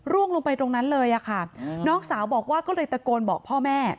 ลงไปตรงนั้นเลยอะค่ะน้องสาวบอกว่าก็เลยตะโกนบอกพ่อแม่